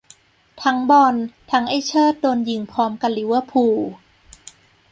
ทั้งบอล ไอ้เชิดโดนยิงพร้อมกะลิเวอร์พูล